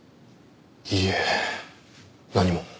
いいえ何も。